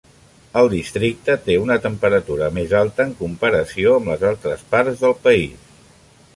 El districte té una temperatura més alta en comparació amb les altres parts del país.